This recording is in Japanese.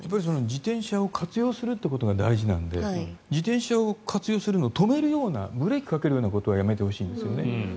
自転車を活用するっていうことが大事なので自転車を活用するのを止めるようなブレーキをかけるようなことはやめてほしいんですね。